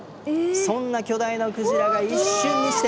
そんな巨大なクジラが一瞬にして。